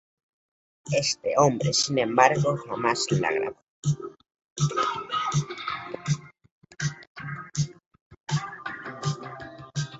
Este hombre sin embargo jamás la grabó.